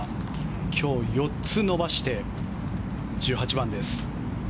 今日４つ伸ばして１８番です。